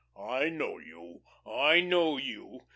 I know you, I know you.